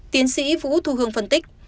tiến sĩ vũ thu hương phân tích